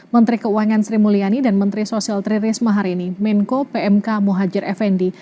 menteri keuangan sri mulyani dan menteri sosial tri risma hari ini menko pmk muhajir effendi